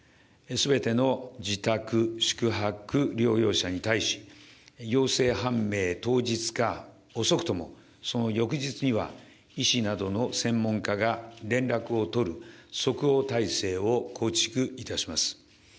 すべての自宅、宿泊療養者に対し、陽性判明当日か、遅くともその翌日には、医師などの専門家が連絡を取る即応体制を構築いたします。